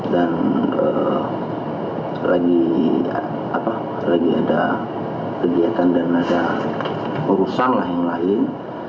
dan lagi ada kegiatan dan ada urusan yang lain